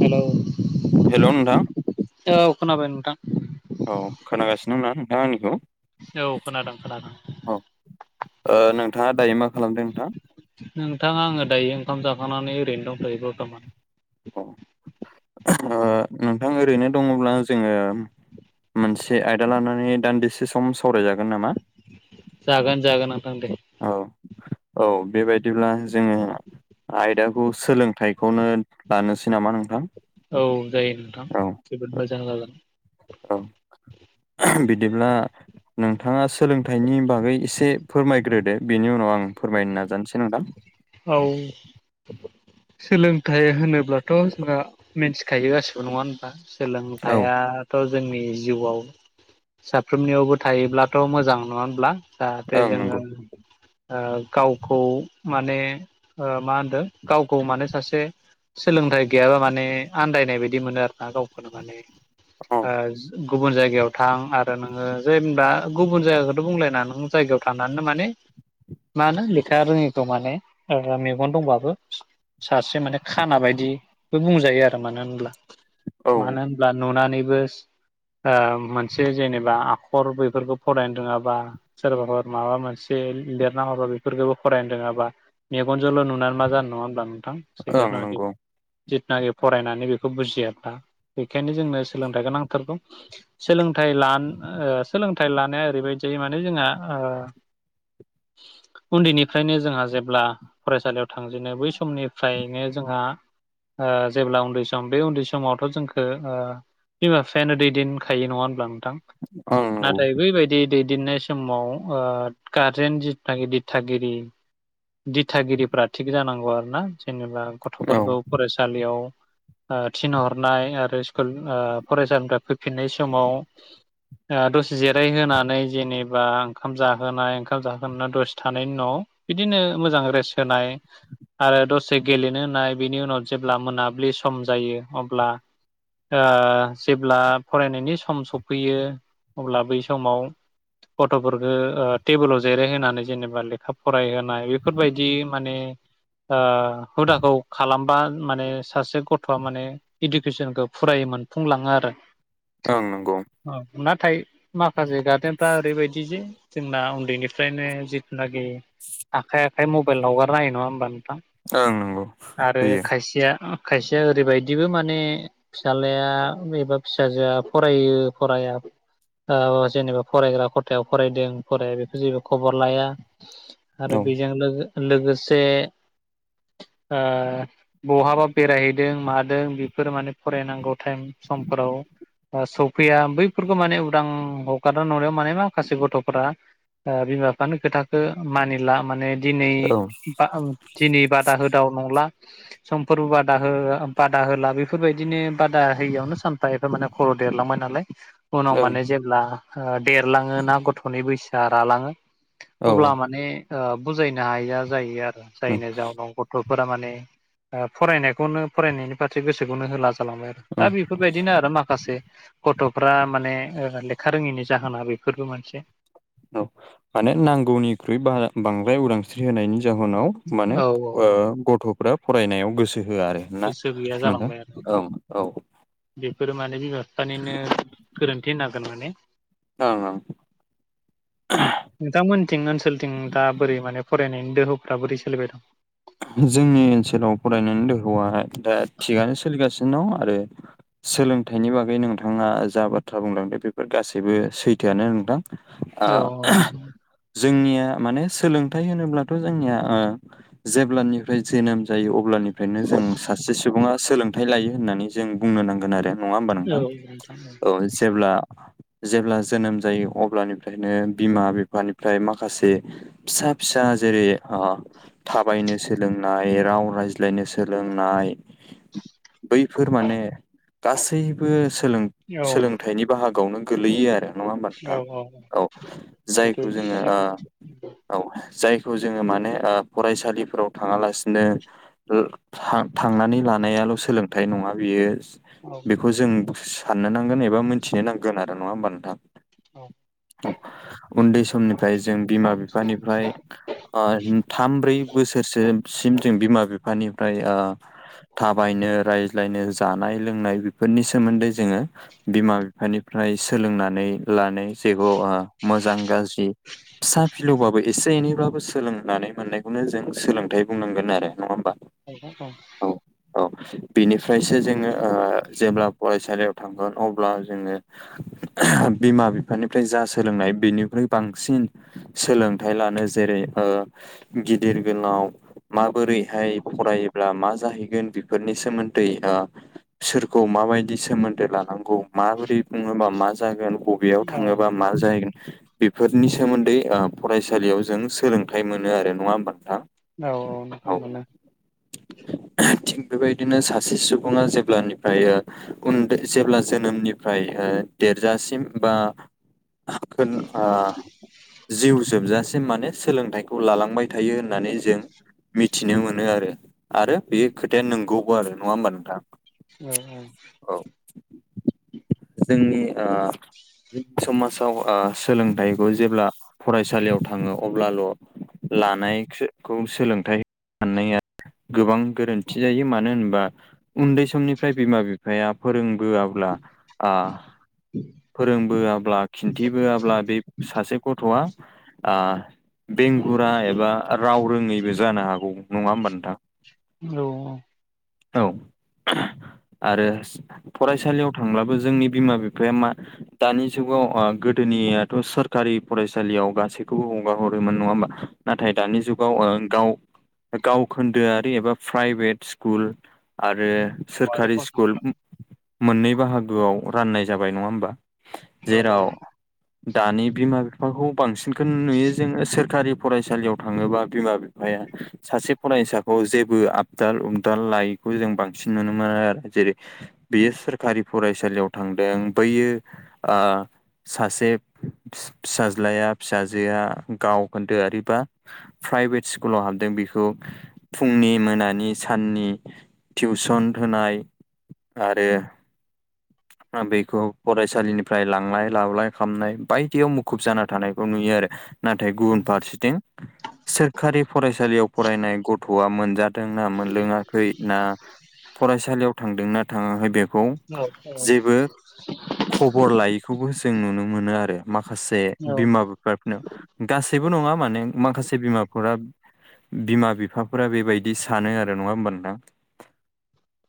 Hello हेल' नोंथां। औ खोनाबाय नोंथां। औ खोनागासिनो दंना नोंथां आंनिखौ? औ खोनादों खोनादों औ ओ नोंथाङा दायो मा खालामदों नोंथां। नोंथां आङो दायो ओंखाम जाखांनानै ओरैनो दंथ'यो बर्थमान। अ'ओ नोंथां ओरैनो दङब्ला जोङो मोनसे आयदा लानानै दान्दिसे सम सावरायजागोन नामा? जागोन जागोन नोंथां दे। औ औ बेबायदिब्ला जोङो आयदाखौ सोलोंथाइखौनो लानोसै नामा नोंथां? औ जायो नोंथां औ जोबोद मोजां जागोन। औ बिदिब्ला नों नोंथाङा सोलोंथाइनि बागै एसे फोरमायग्रोदो बेनि उनाव आं फोरमायनो नाजानोसै नोंथां। औ। सोलोंथाइ होनोब्लाथ' जोंहा मिथिखायो गासिबो नङा होनबा? औ सोलोंथाइया थ' जोंनि जिउआव साफ्रोमनियावबो थायोब्लाथ' मोजां नङा होनब्ला? जाहाथे ओं जोङो नंगौ गावखौ माने ओ मा होनदों गावखौ माने सासे सोलोंथाइ गैयाबा माने आन्दायनाय बायदि मोनो आरोना गावखौनो माने औ ओ गुबुन जायगायाव थां आरो नोङो जेनेबा गुबुन जायगाखौथ' बुंलायना नों जायगायाव थानानैनो माने मा होनो लेखा रोङैखौ माने ओ मेगन दंबाबो सासे माने खाना बायदिबो बुंजायो आरो मानो होनब्ला औ मानो होनब्ला नुनानैबो ओ मोनसे जेनेबा आखर बेैफोरखौ फरायनो रोङाबा सोरबाफोर माबा मोनसे लिरना हरबा बेफोरखौबो फरायनो रोङाबा मेगनजोंल' नुनानै मा जानो नङा होनोमब्ला नोंथां ओं सिग्रेट नाखै। नंगौ जिथुनाखि फरायनानै बेखौ बुजिया दा बेखायनो जोंनो सोलोंथाइ गोनांथारगौ। सोलोंथाइ लान ओ सोलोंथाइ लानो ओरैबायदि जायो माने जोंहा ओ उन्दैनिफ्रायनो जोंहा जेब्ला फरायसालियाव थांजेनो बै समनिफ्रायनो जोंहा ओ जेब्ला उन्दै सम बे उन्दै समावथ' जोंखो ओ बिमा बिफायानो दैदेनखायो नङा होनब्ला नोंथां ओं नंगौ नाथाय बैबायदि दैदेननाय समाव ओ गारजेन जिथागि दिथागिरि दिथागिरिफ्रा थिग जानांगौ आरो ना जेनेबा औ गथ'फोरखौ फरायसालियाव ओ थिनहरनाय आरो स्कुल ओ फरायसालिनिफ्राय फैफिननाय समाव ओ दसे जिरायहोनानै जेनेबा ओंखाम जाहोनाय ओंखाम जाहोना दसे थानायनि उनाव बिदिनो मोजां रेस होनाय आरो दसे गेलेनो होननाय बिनि उनाव जेब्ला मोनाब्लि सम जायो अब्ला ओ जेब्ला फरायनायनि सम सफैयो अब्ला बै समाव गथ'फोरखौ ओ टेबोलाव जिरायहोनानै जेनेबा लेखा फरायहोनाय बेफोरबायदि माने हुदाखौ खालामबा माने सासे गथ'आ माने इडुकेसनखौ फुरायै मोनफुंलाङो आरो। ओं नंगौ औ नाथाय माखासे गार्जेनफ्रा ओरैबायदि जे जोंना उन्दैनिफ्रायनो जि नागि आखाइ आखाइ मबाइल हगारना हायो नङा होमबा नोंथां? ओं नंगौ आरो होयो खायसेया खायसेया ओरैबायदिबो माने फिसाज्लाया एबा फिसाजोआ फरायो फराया ओ जेनेबा फरायग्रा खथायाव फरायदों फराया बेखौ जेबो खबर लाया। औ आरो बेजों लोगो लोगोसे ओ बहाबा बेरायहैदों मादों बेफोर माने फरायनांगौ थाएम समफोराव ओ स फैया बैफोरखौ माने उदां हगारना नुनायाव माने माखासे गथ'फोरा ओ बिमा बिफानि खोथाखो मानिला माने दिनै औ ओं बा दिनै बादा होदाव नंला समफोरबो बादा हो बादा होला बेफोरबायदिनो बादा होयियावनो सान सानफा एफा माने खर' देरलांबाय नालाय उनाव माने जेब्ला ओ देरलाङो ना गथ'फोरनि बैसोआ रालाङो औ अब्ला माने ओ बुजायनो हाया जायो आरो जायनि जाउनाव गथ' थ'फोरा माने ओ फरायनायखौनो फरायनायनि फारसे गोसोखौनो होला खालामो औ दा बेफोरबायदिनो आरो माखासे गथ'फ्रा माने ओ लेख खा रोङैनि जाहोना बेफोरबो मोनसे औ माने नांगौनिख्रुइ बा बांद्राय उदांस्रि होनायनि जाहोनाव माने औ औ ओ गथ'फ्रा फरायनायाव गोसो होआ आरो। ना गोसो गैया नोंथां जालांबाय आरो औ औ ओं बेफोरो माने बिमा बिफानिनो गोरोन्थि होननांगोन माने औ औ। नोंथांमोनथिं ओनसोलथिं दा बोरै माने फरायनायनि दोहौफ्रा बोरै सोलिबाय दं? जोंनि ओनसोलाव फरायनायनि दोहौआ दा थिगानो सोलिगासिनो दं, आरो सोलोंथाइनि बागै नोंथाङा जा बाथ्रा बुंलांदो बेफोर गासैबो सैथोआनो नोंथां। आ औ जोंनिया माने सोलोंथाइ होनोब्लाथ' जों ओ जेब्लानिफ्राय जोनोम जायो अब्लानिफ्रायनो जों सासे सुबुङा सोलों हाथाय लायो होननानै जों बुंनो नांगोन आरो नङा होमबा औ नोंथां औ जेब्ला जेब्ला जोनोम जायो अब्लानिफ्रायनो बिमा बिफानिफ्राय माखासे फिसा फिसा जेरै ओ थाबायनो सोलोंनाय राव रायज्लायनो सोलोंनाय बैफोर माने गासैबो सोलों औ औ सोलोंथाइनि बाहागोआवनो गोलैयो आरो नङा होमबा नोंथां औ बेथ' औ जायखौ जोङो ओ औ जायखौ जोङो माने ओ फरायसालिफोराव थाङालासिनो ओ थां थांनानै लानायाल' सोलोंथाइ नङा बेयो। बेखौ जों साननो नांगोन एबा मिथिनो नांगोन आरो, नङा होमबा नोंथां? [unintelligible] उन्दै समनिफ्राय जों बिमा बिफानिफ्राय अ थाम ब्रै बोसोरसोसिम जों बिमा बिफानिफ्राय ओ थाबायनो राय रायलायनो जानाय लोंनाय बेफोरनि सोमोन्दै जोंङो बिमा बिफानिफ्राय सोलोंनानै लानो जेखौ अ मोजां गाज्रि फिसा फिलौबाबो एसे एनैब्लाबबो सोलोंनानै मोननायखौनो जों सोलोंथाइ बुंनांगोन आरो नंङा होमबा? [unintelligible] औ औ। बिनिफ्रायसो जोंङो ओ जेब्ला फरायसालियाव थांगोन अब्ला जोंङो बिमा बिफानिफ्राय जा सोलोंनाय बेनिफ्राय बांसिन सोलोंथाइ लानो जेरै ओ गिदिर गोलाव माबोरैहाय फरायोब्ला मा जाहैगोन बेफोरनि सोमोन्दै सोरखौ माबायदि सोमोन्दो लानांगौ माबोरै बुंङोबा मा जागोन? बेयाव औ थांङोबा मा जाहैगोन बेफोरनि सोमोन्दै फरायसालियाव जों सोलोंथ थाइ मोनो आरो नंङा होमबा नोंथां? औ-औ नोंगौ औ मोनो। थिग बेबायदिनो सासे सुबुंङा जेब्लानिफ्राय ओ उन्दै जेब्ला जोनोमनिफ्राय ओ देरजासिम बा होन आ जिउ जोबजासिम माने सोलोंथाइखौ खौ लालांबाय थायो होननानै जों मिथिनो मोनो आरो। बे औ खो दे नोंगौबो आरो नंङा होमबा नोंथां? [unintelligible] औ जोंनि ओ जोंनि समाजाव ओ सोलोंथाइखौ जेब्ला फरायसालियाव थांङो अब्लाल लानायखो सोलोंथाइ मोनाननाया गोबां गोरोन्थि जायो मानो होनबा उन्दै समनिफ्राय बिमा बिफाया फोरोंबोआब्ला ओ फोरोंबोआब्ला खिन्थिबोआब्ला बे सासे गथआ ओ बेंगुरा एबा राव रोङैबो जानो हागौ नंङा होमबा नोंथां? [unintelligible] औ आरो फरायसालियाव थांब्लाबो जोंनि बिमा बिफाया मा दानि जुगाव ओ गोदोनियाथ सोरखारि फरायसालियाव गासैखौबो हगार हर बोमोन नंङा होनबा नाथाय दानि जुगाव ओ गाव गावखोन्दोआरि एबा प्राइभेट स्कुल आरो सोरखारि स्कुल मोननै बाहागोआव राननाय जाबाय नंङा होमबा जेराव दानि बिमा बिफाखौ बांसिनखौनो नुयो जोंङो सोरखारि फरायसालियाव थांङोबा बिमा बिफाया सासे फरायसाखौ जेबो आदाल उबदाल लायैखौ जों बांसिन नुनो मोनो आरो जेरै बेयो सोरखारि फरायसालियाव थांदों बैयो ओ सासे फि फिसाज्लाया फिसाजोआ गावखोन्दो आरि बा प्राइभेट स्कुलाव हाबदों बेखौ फुंनि मोनानि साननि टिउसन होनाय आरो बेखौ फरायसालिनिफ्राय लांलाय लाबोलाय खालामनाय बायदियाव मुखुब जाना थानायखौ नुयो आरो। नाथाय गुबुन फारसेथिं सोर सोरखारि फरायसालियाव फरायनाय गथआ मोनजादों ना मोनलोङाखै ना फरायसालियाव थांदोंना थांङाखै बे खौ जेबो खबर लायैखौबो जों नुनो मोनो आरो। माखासे बिमा बिफाफोरनो गासैबो नंङा माने माखासे बिमाफोरा बिमा बिफाफोरा बेबायदि सानो आरो नंङा होनबा नोंथां?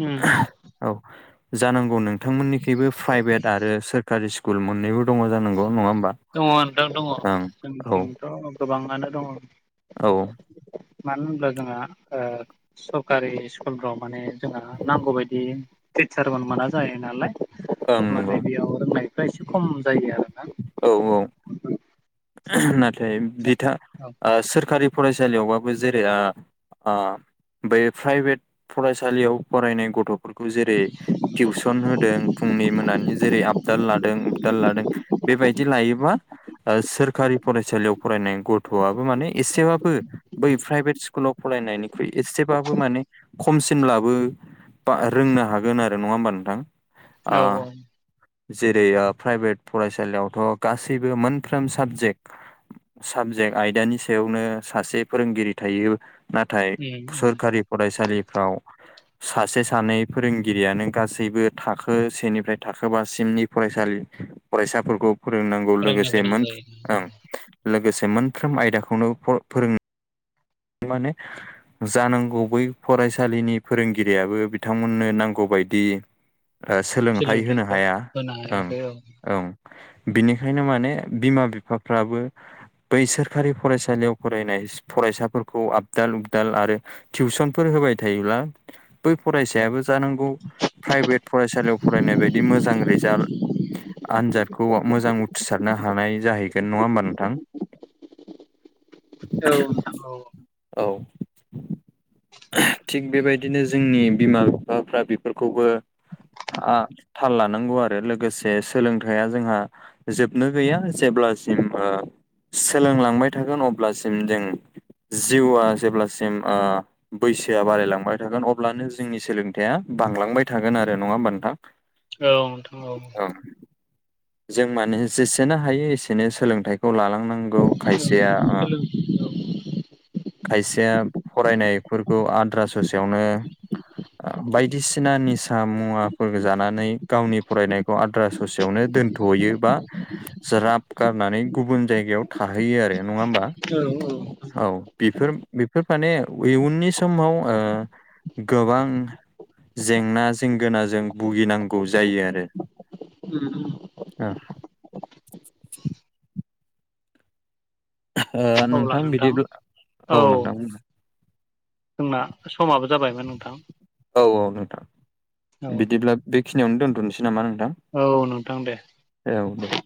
उम उम। औ। जानांगौ नोंथांमोननिखैबो प्राइभेट आरो सोरखारि स्कुल मोननैबो दङ जानांगौ नङा होमबा? दङ नोंथां दं ओं औ जोंनिथिंथ' गोबाङानो दङ। औ मानो होनबा जोंहा ओ सरकारि स्कुलफ्राव माने जोंहा नांगौबायदि टिचारमोन मोना जायो नालाय ओं नंगौ माने बेयाव रोंनायफ्रा एसे खम जायो आरोना। औ औ। [unintelligible] नाथाय बिथा औ सोरखारि ओ फरायसालियावबाबो जेरै‌ आ‌ आ बै प्राइभेट फरायसालियाव फरायनाय गथ' जेरै टिउसन होदों फुंनि मोनानि जेरै आबदाल लादों उपदाल लादों बेबायदि लायोबा ओ सोरखारि फरायसालियाव फरायनाय गथ'आबो माने एसेबाबो बै प्राइभेट सु कुलआव फरायनायनिख्रुइ एसेबाबो माने खमसिनब्लाबो बा रोंनो हागोन आरो नङा होमबा नोंथां? ओ औ जेरै प्राइभेट फरायसालियावथ' गासैबो मोन फ्रोम साबजेक्ट साबजेक्ट आयदानि सायावनो सासे फोरोंगिरि थायो नाथाय उम सोरखारि फरायसालिफ्राव सासे सानै फोरोंगिरियानो गासैबो थाखो सेनिफ्राय थाखो बासिमनि फरायसालि फरायसाफोरखौ फोरोंनांगौ लोगोसे फोरोंनो गोनां जायो औ ओम लोगोसे मोनफ्रोम आयदाखौनो फ फोरों माने जानांगौ बै फरायसालिनि फोरोंगिरियाबो बिथांमोननो नांगौबायदि ओ सोलोंथाइ होनो सोलोंथाइखौ हाया होनो ओं हायाखै औ ओं। बिनिखायनो माने बिमा बिफाफ्राबो बै सोरखारि फरायसालियाव फरायनाय फरायसाफोर खौ आबदाल उपदाल आरो टिउसनफोर होबाय थायोब्ला बै फरायसायाबो जानांगौ प्राइभेट फरायसालियाव फरायनाय बायदि मोजां रिजाल्ट आनजादखौ मोजां उ सारनो हानाय जाहैगोन नङा होमबा नोंथां। औ नोंथां औ। औ। थिग बेबायदिनो जोंनि बिमा - बिफाफ्रा बेफोरखौबो ओ‌ थाल लानांगौ आरो लोगोसे सोलोंथाइा जोंहा जोबनो गैया जेब्लासिम ओ सोलोंलांबाय थागोन अब्लासिम जों जिउआ जेब्लासिम ओ बैसोआ बारायलांबाय थागोन अब्लानो जोंनि सोलोंथाइया बांलांबाय थागोन आरो नङा होमबा नोंथां। औ [inaudible] औ नोंथां औ। जों माने जेसेनो हायो एसेनो सोलोंथाइखौ लालांनां नांगौ खायसेया ओ सोलों खायसेआ‌ फरायनायफोरखौ आद्रा ससेयावनो ओ बायदिसिना निसा मुवाफोर जानानै गावनि फरायनायखौ आद्रा ससेयावनो दोन थयो बा ज्राब गारनानै गुबुन जायगायाव थाहैयो आरो। नङा होमबा औ औ। उम बेफोर बेफोर माने इयुननि समाव ओ गोबां जेंना जेंगोनाजों भुगिनांगौ जायो आरो [unintelligible] ओ नोंथां बिदिब्ला औ नोंथां जोंना समाबो जाबायमोन नोंथां। औ - औ नोंथां औ बिदिब्ला बेखिनियावनो दोनथ'नोसै नामा नोंथां। औ नोंथां दे। औ दे।